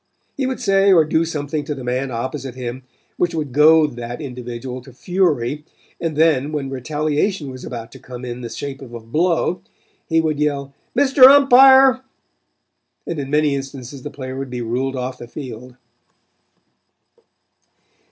He would say or do something to the man opposite him which would goad that individual to fury and then when retaliation was about to come in the shape of a blow, he would yell "Mr. Umpire," and in many instances the player would be ruled off the field.